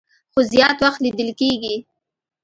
خو زيات وخت ليدل کيږي